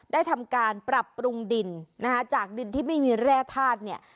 ได้ทำการปรับปรุงดินนะคะจากดินที่ไม่มีแร่ธาตุเนี่ย